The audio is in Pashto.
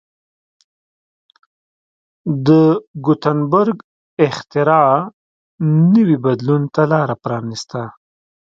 د ګوتنبرګ اختراع نوي بدلون ته لار پرانېسته.